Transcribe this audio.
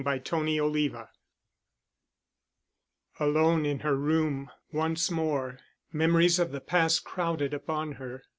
Chapter XXXVI Alone in her room once more, memories of the past crowded upon her.